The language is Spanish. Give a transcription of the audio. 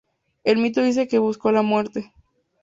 El mito dice que buscó la muerte.